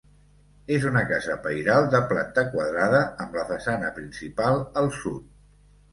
És una casa pairal de planta quadrada, amb la façana principal al sud.